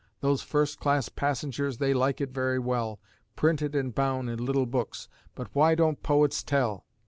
Those first class passengers they like it very well, Printed an' bound in little books; but why don't poets tell?